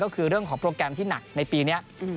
ก็คือเรื่องของโปรแกรมที่หนักในปีนี้